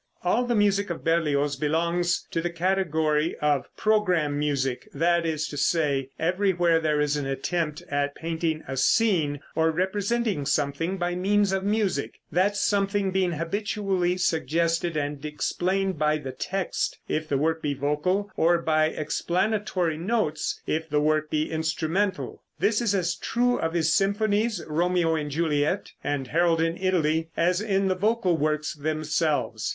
All the music of Berlioz belongs to the category of "program music," that is to say, everywhere there is an attempt at painting a scene or representing something by means of music, that something being habitually suggested and explained by the text, if the work be vocal, or by explanatory notes, if the work be instrumental. This is as true of his symphonies, "Romeo and Juliet," and "Harold in Italy," as in the vocal works themselves.